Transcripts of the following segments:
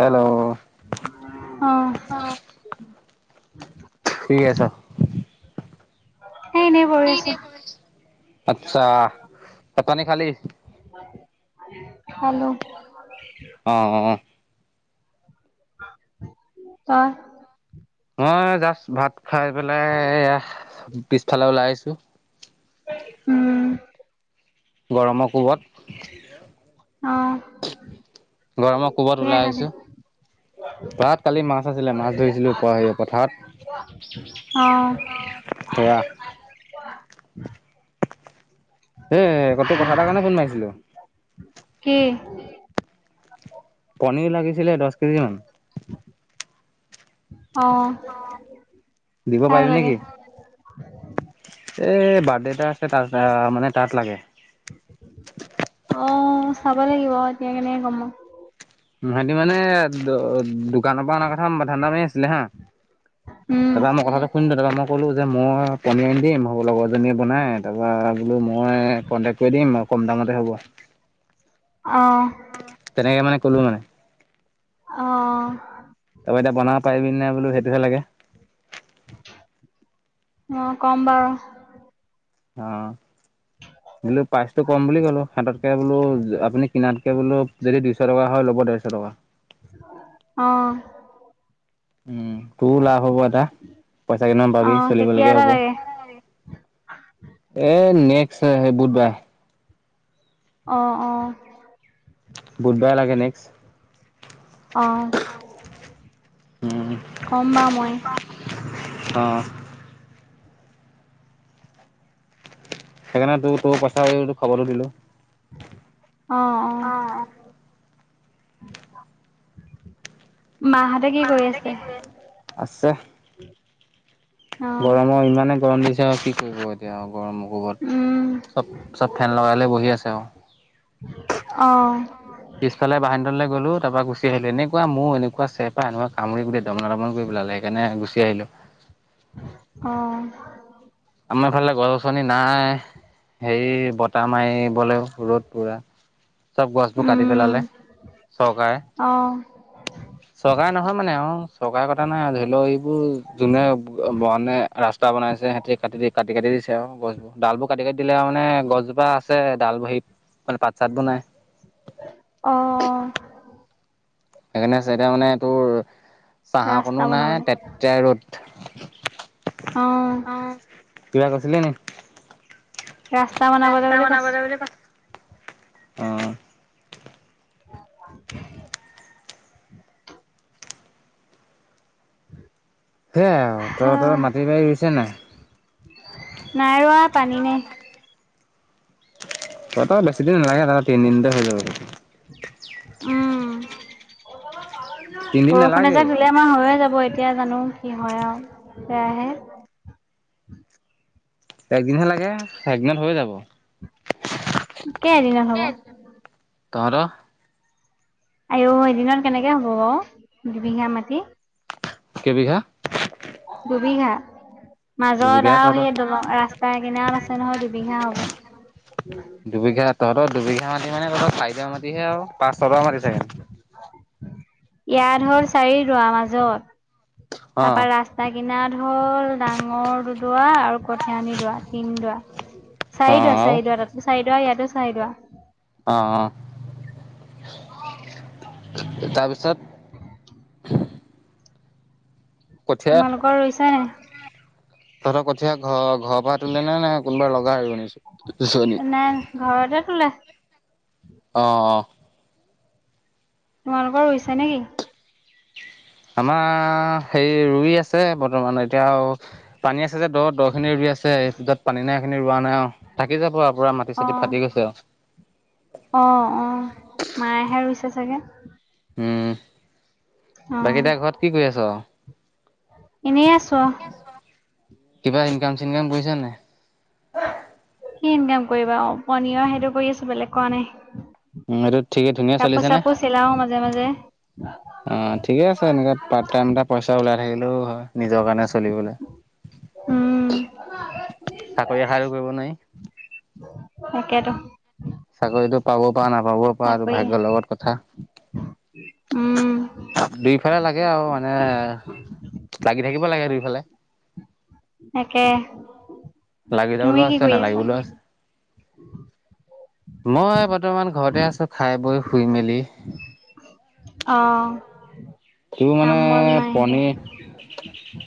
Hello অহ কি আছা এ এনেই পৰি আছো আচ্ছা ভাত পানী খালি? খালো অ অ অ ত মই জাষ্ট ভাত খাই পেলাই পিছফালে ওলাই আহিছো। উম গৰমৰ কোবত। অ গৰমত ক'বাত কিহে ওলাই খালি আহিছো। পৰাত কালি মাছ আছিলে মাছ ধৰিছিলো পথাৰত। অ থেৰা। হেই তোৰ কথা এাৰ কাৰণে ফোন মাৰিছিলো। কি। পনীৰ লাগিছিলে দহ কেজি মান। অ দিব কাক পাৰিবি লাগে নেকি এই বাৰ্থডে এটা আছে আহ মানে তাত লাগে অ চাব লাগিব এতিয়া কেনেকে কম। তি মানে দোকানৰ পৰা অাৰ কথা ধান্দা মাৰি আছিলে হা। উম তাৰপৰা মই কথাটো শুনো তাৰপৰা মই কলো যে মই পনিয়াৰ দিম ভ লগৰ জনীয়ে বনাই তাৰপৰা বোলো। মই কন্টেক কৰি দিম আৰু কম দামতে হ'ব। অ তেনেকে মানে কলো মানে অঁ। তই এতিয়া বনাব পাৰিবি নে বোলো সেইটোহে লাগে। অ কম বাৰু। আহ। বোলো প্ৰাইচটো কম বুলি ক'লো হতকে বোলো আপুনি কিনাতকে বোলো যদি দুইশ টকা। হয় ল'ব দেৰশ টকা। আহ। উম তোৰও লাভ হব এটা পইচা কেইদমান অ পাবি চলিবলকীয়া কেতিয়ালে হ'ব। লাগে এ নেক্সট স বুধবাৰ। অ অ। বুধবাৰে লাগে নেক্সট। অ কম বা মই। অঁ সেইকাৰণে তোৰ তোৰ পইচা খবৰটো দিলো। অ অ। মাহঁতে কি কৰি আছে। আছে। অ গৰমৰ ইমানে গৰম দিছে আৰু কি কৰিব এতিয়া গৰমৰ উম কুবত। চব ফেন লগাই লৈ বহি আছে আৰু অ। পিছফালে বাহনি তললে গলো তাপ পা গুচি আহিলো এনেকোৱা মহ এনেকুৱা চেৰেপা এনেকোৱা কামুৰি গোটেই। দমলা দমল কৰি পেলালে সেইকাৰণে গুচি আহিলো। অ। আমাৰফালে গছ গছনি নাই হেৰি বতাহ মাৰিবলৈও ৰ'দ পুৰা। চব গছবোৰ কাটি উম পেলালে চৰকাৰে। [unintelligible] চৰকাৰে নহয় মানে আও চৰকাৰে কটা নাই ধৰি লওঁ এইবোৰ যোনে মানে ৰাস্তা বনাই। বনাইছে হেতি কাটি কাটি দিছে আৰু গছবোৰ ডাল বোৰ কাটি কাট দিলে আৰু মানে গছজোপা আছে ডাল বহীত মানে পাত চাতবোৰ নাই। অ। সেইকাৰণে আছে এতিয়া মানে তোৰ। চাহ ৰাস্তা অকনো বনাবলে নাই তেতেয়া ৰ'দ। অ', কিবা কৈছিলি নি। ৰাস্তা বনাবলৈ বোলি কছ। অ। [inaudible] [inaudible] সেয়াই আৰু তহঁতৰ মাটি বাৰী ৰুইছে নাই। নাই ৰোৱা পানী নাই। ততৰ বেছি দিন নালাগে ত তিন দিনতে হৈ যাব। উম। তিনিদিন বৰষুণে নালাগেই এজাক ধুলে আমাৰ হৈয়ে যাব। এতিয়া জানো কি হয় আৰু সেয়াহে। একদিনহে লাগে একদিনত হৈ যাব। কেইদিনত হব। তহঁতৰ। আইও এদিনত কেনেকে হ'ব বাৰু দুবিঘা মাটি কেই বিঘা দুবিঘা মাজত আৰু তহঁতৰ সেই দলং ৰাস্তা কিনাৰত আছে নহয় দু। বিঘা হব দুবিঘা তহঁতৰ দুবিঘা মাটি মানে তহতৰ চাৰি দৰা মাটি হে আৰু পাঁচ টকা পাবি চাগে ইয়াত হল চাৰি দৱা মাজত তাপা অ', ৰাস্তা কিনাৰত হল ডাঙৰ দুদৰা আৰু কঠিয়ানি দুৱা তিন দুৱা চাৰি অ', দোৱা আৰু চাৰি দোৱা তাতো চাৰি দোৱা ইয়াতো চাৰি দোৱা৷ অ অ তাৰপিছ তেত তোমালোকৰ ৰুইছে নে? তহঁতৰ কঠীয়া ঘৰ-ঘৰ পৰা তোলে নে-নে কোনোবা লগাই ৰোৱে? নাই পিচনিত ঘৰতে তোলে অহ-অহ তোমালোকৰ হৈছে নে কি? আমাৰ হেৰি ৰুই আছে বৰ্তমান, এতিয়া আও পানী আছে যে দ- দ খিনি ৰুই আছে, য'ত পানী নাই, সেইখিনি ৰোৱা নাই আৰু থাকি যাব আৰু পুৰা মাটি অ চাতি ফাটি গৈছে আও। অ', অ', মায়েহে ৰুইছে চাগে। উম, বাকী এতিয়া ঘৰত কি কৰি আছ। ইনেই আছ [unintelligible] কিবা ইনকাম চিনকাম কৰিছা নাই। কি ইনকাম কৰিবা আও পনীৰৰ সেইটো কৰি আছো বেলেগ কৰা নাই। উম এইটো ঠিকেই ধুনীয়া কাপোৰ চলিছেনে? চাপোৰ চিলাও মাজে মাজে। অ ঠিকে আছে এনেকে পাত টাইম এটা পইচা ওলাই থাকিলেও হয়। নিজৰ কাৰণে চলিবলৈ। উম চাকৰি আশাটো কৰিব নোৱাৰি তাকেটো এইটো পাব পাৰ নাপাবও পাৰ আৰু চাকৰি ভাগ্যৰ লগত কথা। উম দুইফালে লাগে আৰু মানে লাগি থাকিব লাগে দুইফালে৷ তাকে! লাগি তুমি যাবলৈও কি আছে কৰি আছা? নালাগিবলৈও আছে। [inaudible] মই বৰ্তমান ঘৰতে আছো, খাই, বৈ, শুই মেলি। অ'। সিও মানে কাম বন নাই একো পনীৰ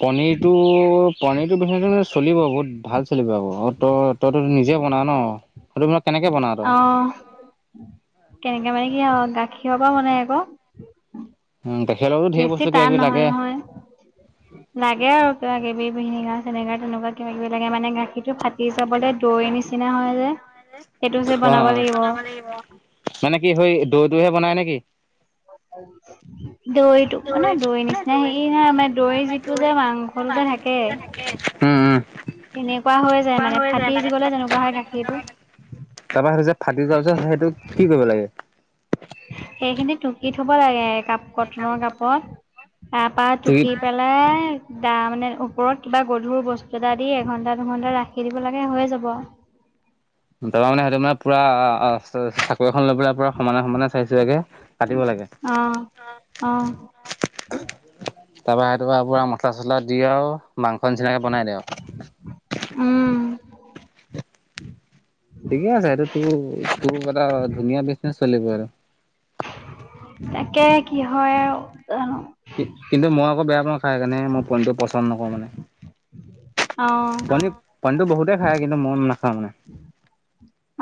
পনীৰটো- পনীৰটো বি [unintelligible] চলিব বহুত ভাল চলিব আকৌ, অ', তই তইটো নিজে বন [unintelligible] ন, [unintelligible] তই অ', কেনেকে মানে কি আও গাখীৰৰ পৰা বনাই আকৌ। উম, দে। বেছি টান নহয়- নহয়, লাগে আৰু কিবা কিবি। ভিনেগাৰ চেনেগাৰ তেনেকুৱা কিবা কিবি লাগে মানে গাখীৰটো ফাট দি চাবলে দৈ নিচিনা হয় যে, সেইটো যে অ বনাব লাগিব। মানে কি সৈ দৈ টোহে বনাই নেকি? [inaudible] দৈটো মানে দৈ নিচিনা হেৰি নহয় মানে, দৈ যিটো যে মাংসটো যে থাকে। উম, উম। তেনেকুৱা হৈ যায় মানে, ফাটি জ গ'লে যেনেকুৱা হয় গাখীৰটো। তাৰপৰা সেইটো যে ফাটি যোৱাৰ পিছত সেইটো কি কৰিব লাগে? সেইখিনি টুকি থব লাগে কাপ কটনৰ কাপত। তাৰ পৰা লাগে টুকি পেলাই দা মানে ওপৰত কিবা গধুৰ বস্তু এটা দি এঘন্টা দুঘণ্টা ৰাখি দিব লাগে হৈ যাব। [unintelligible] তাপা মানে হেতু মানে পুৰা চাকো এখন লৈ পেলাই পুৰা সমানে সমানে চাইছোকিয়াকে কাটিব লাগে। অহ। তাৰ পৰা সেইটোপৰা মছলা চছলা দি আও মাংস নিচিনাকে বনাই দি আও। উম। ঠিকে আছে সেইটো তোৰ তোৰ এটা ধুনীয়া বিজনেচ চলিব সেইটো। তাকে কি হয় আও। কিন্তু মই আকৌ বেয়া পাওঁ খাই সেইকাৰণে মই পনীৰ টো পচন্দ নকৰো মানে। অঁ পণী পনীটো বহুতেই খায় কিন্তু মই নাখাওঁ মানে।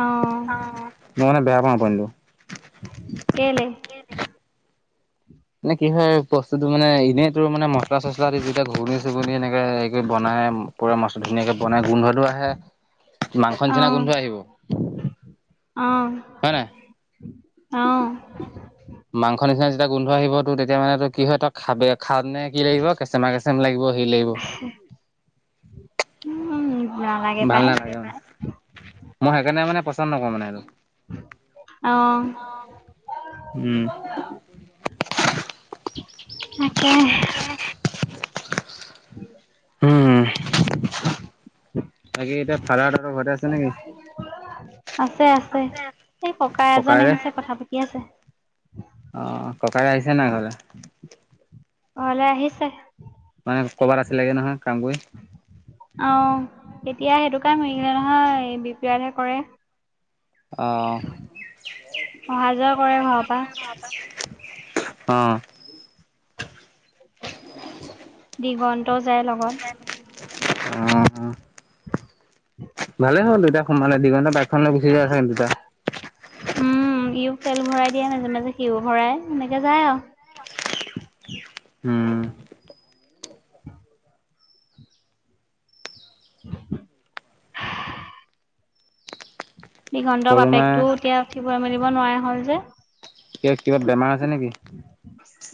অঁ অহ মই মানে বেয়া পাওঁ পনীৰ টো। কেলে? এনে কি হয় বস্তুত মানে এনেই তোৰ মানে মচলা চচলা দি যেতিয়া ঘূণি চুগুনি এনেকে হ বনাই [inaudible] ধুনীয়াকে বনাই গোন্ধটো আহে মাংস নিচিনা অঁ গোন্ধ আহিব। অঁ হয় নাই? অঁ মাংস নিচিনা এতিয়া গোন্ধ আহিব তো তেতিয়া মানে ত কি হয় ত খাবে খাওঁ তেনে কি লাগিব কেচেমা কেচেম লাগিব সি লাগিব নালাগে ভাল পাই নালাগে অ মই সেইকাৰণে মানে পচন্দ নকৰো মানে এইটো- আহ উম। [inaudible] তাকে। [inaudible] উম। তাকে এতিয়া ফাল [inaudible] আছে আছে। এই ককা এজন ককাইৰে আহিছে কথা পাতি আছে। অ ককাই আহিছে নাই ঘলে? ঘৰলে আহিছে। মানে ক'ৰবাত আছিল লেগে নহয় কাম কৰি? অ এতিয়া সেইটো কাৰে মৰিগিলে নহয় বিপাতহে কৰে। [inaudible] আহ অহা যোৱা কৰে ঘৰৰ পৰা [unintelligible] অঁ। উ [inaudible] দিগন্ত যায় লগত। উম [unintelligible] ভালে হ'ল দেউতাই সোমালে দিঘণ্টা বাইকখন লৈ গুচি যোৱা আছে কিন্ত দেতা। উম ইয়ক তেল ভৰাই দিয়ে মাজে মাজে সিও ভৰাই সেনেকে যায় আও। [inaudible] হম। [inaudible] [inaudible] দিগন্ত সৰু মাৰ বাপেকটো এতিয়া উঠিবলৈ মেলিব নোৱাৰে হল যে। এ কিবা বেমাৰ আছে নেকি?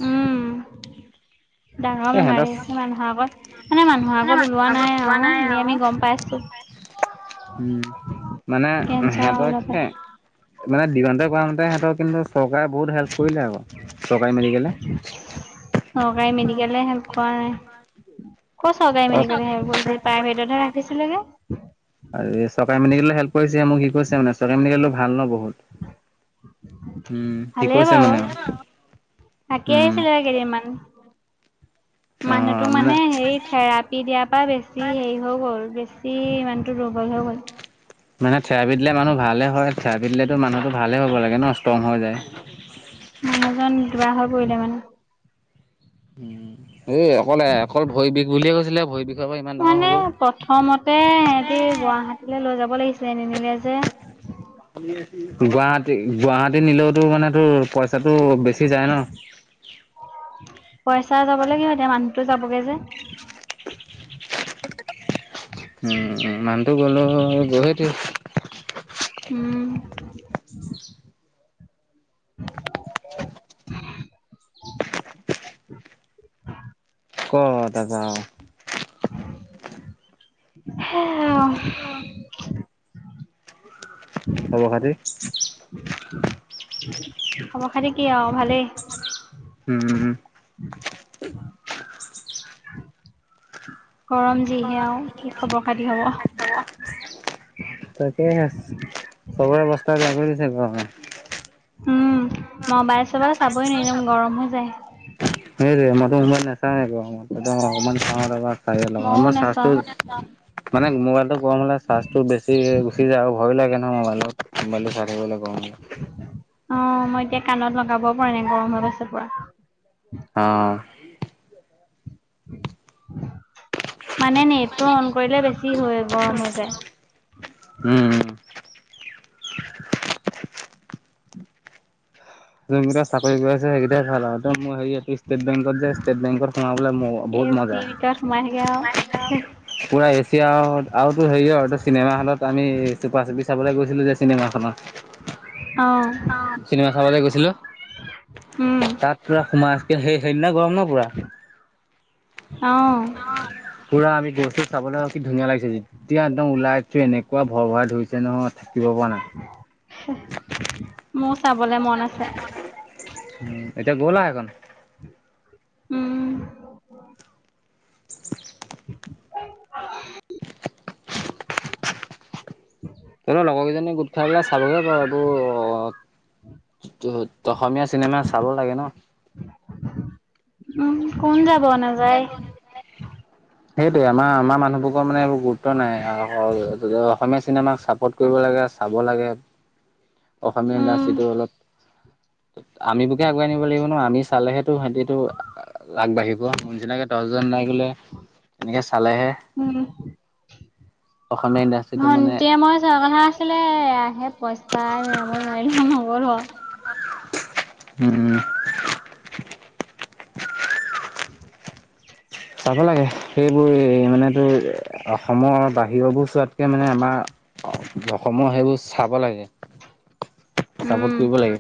উম, ডাঙৰ এই সিহঁতৰ বেমাৰী সেই মানুহৰ আগত মানে মানুহৰ আগত ওলোৱা নাই আৰু এনে আমি গম পাই আছো। উম মানে কেঞ্চাৰ সিহতক হ'বলৈ পায়। সে মানে দিঘতে কৰা মতে সিহঁতক কিন্তু চৰকাৰে বহুত হেল্প কৰিলে আৰু চৰকাৰী মেডিকেলে সৰকাৰে মেডিকলে হেল্প কৰা নাই। ক' চৰকাৰী মেডিকেল হেয়া কৰিছে প্ৰাইভেটতহে ৰাখিছিলেগে। আৰু চৰকাৰ মেডিকেল হেল্প কৰিছে মোক সিক কৰিছে মানে চকাৰী মেকেলটো ভাল ন বহুত উম কি ভালেই কৈছে বাৰু। মানে থাকি উম আহিছিলে কেইদিনমান মানুহটো মানে সেই থেৰাপি দিয়াৰ পৰা বেছি হেৰি হৈ গ'ল বেছি ইমানটো দুৰ্বল হৈ গ'ল। মানে থেৰাপি দিলে মানুহ ভালে হয় থেয়াপি দিলেতো মানুহতো ভালে হব লাগে। ন ষ্ট্ৰং হৈ যায় মানুহজন কিবা হৈ পৰিলে মানে উম এই অকললে অকল ভয় বিষ বুলিয়ে কৈছিলে ভৰি বিষৰ পৰা ইমান ডাঙৰ হৈ মানে গল। প্ৰথমতে সিহঁতি গুৱাহাটীলৈ লৈ যাব লাগিছিলে এ নিনিলে যে গুৱাহাটী গুৱাহাটী নিলেওতো মানে তোৰ পইচা চাতটো বেছি যায় ন পইচা চাব লাগে এতিয়া মানুহতো যাবগে যে। উম মানুহটো গলেও [unintelligible] উম। [unintelligible] ক'তা জাও হে আৰু। খবৰ খাটি। খবৰ খাতি কি আৰু ভালেই। উম। গৰম যিহে আৰু কি খবৰ খাতি হ'ব। তাকে চবৰে অবস্তা বেয়া কৰি দিছে গৰমত। উম মবাইল চবাইল চাবই নোৱাৰি একদম গৰম হৈ যায় এই যে মই। মই নাচাওঁ গৰমত একদম অকমান চাওঁ ৰবা চাইয়ে লগাওঁ মইও মই চাৰ্চ। নাচাও মানে মোবাইলটো গৰম হ'লে চাৰ্জটো বেছি ফুটি যায় আৰু ভয়ো লাগে নহয়, মোবাইলত মোবাইলো চাই থাকিব গৰম হ'লে। অ মই এতিয়া কাণত লগাব পৰা নাই গৰম হৈ গৈছে পুৰা। আহ। [unintelligible] মানে নেট টো অন কৰিলে বেছি হৈ গৰম হৈ যায়। উম। যোনকেইটা চাকৰি কৰি আছে সেইকেইটা তাতে ভাল আৰু মই হেৰি ষ্টেট বেংকত যে ষ্টেট বেংক সোনাবলে মোৰ বহুত মজা। লাহেকে আও এহে পুৰা এ চি। এতিয়া আৰুতো হেৰি আৰু এইটো, চিনেমা হলত আমি চুপাৰ চেটি চাবলৈ গৈছিলোঁ যে চিনেমাখনত হয়। অ চিনেমা চাবলে গৈছিলোঁ। উম তাত পুৰা সোমাই সেই সেইদিনা গৰম ন পুৰা। অ পুৰা আমি গছটো চাবলৈ কি ধুনীয়া লাগিছে। যেতিয়া একদম ওলাইছোঁ এনেকুৱা ভৰ ভৰাই ধৰিছে নহয়। থাকিব পৰা নাই। মোৰ চাবলে মন আছে। উম এতিয়া গ'ল আৰু সেই খন। উম। [unintelligible] তই লগৰ কেইজনীয়ে গোট খাই পেলাই চাবগে পাৰ এইটো। অসমীয়া চিনেমা চাব লাগে ন। উম কোন যাব নাযায়। সেইটোৱে, আমাৰ আমাৰ মানুহবোৰৰ মানে এইবোৰ গুৰুত্ব নাই। [unintelligible] চিনেমাক ছাপৰ্ট কৰিব লাগে, চাব লাগে। অসমীয়া উম ইণ্ডাষ্ট্ৰীটো অলপ আমি বোৰে আগুৱাই নিব লাগিব ন, আমি চালেহে তো সিহতিটো আগবাঢ়িব। মোৰ চিনাকে দহজন নাই গ'লে তেনেকে চালেহে। উম অসমীয়া ইণ্ডাষ্ট্ৰিটো মানে ভন্টিয়ে, মই যোৱা কথা আছিলে আহে পইচ তাই মই যাবলৈ নগলো আৰু। উম। [inaudible] চাব লাগে। সেইবোৰ এই মানে তোৰ অসমৰ বাহিৰৰবোৰ চোৱাতকে মানে আমাৰ অসমৰ সেইবোৰ চাব লাগে। চাপোৰ্ট উম। কৰিব লাগে।